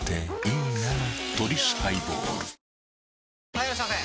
・はいいらっしゃいませ！